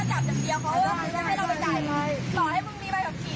ถลบน้องไม้ต้องไปบอก